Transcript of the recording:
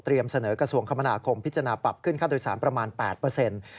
เตรียมเสนอกระสุนคมณาคมพิจารณปรับขึ้นค่าโดยสารประมาณ๘